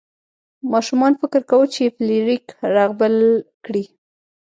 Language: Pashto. ماشومان فکر کاوه چې فلیریک رغبل کړي.